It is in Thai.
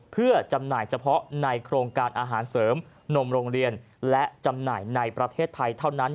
เพื่อจำหน่ายเฉพาะในโครงการอาหารเสริมนมโรงเรียนและจำหน่ายในประเทศไทยเท่านั้น